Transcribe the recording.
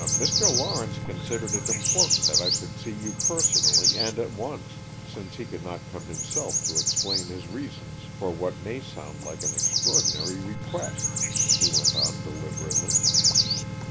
"Mr. Lawrence considered it important that I should see you personally and at once, since he could not come himself to explain his reasons for what may sound like an extraordinary request," he went on deliberately.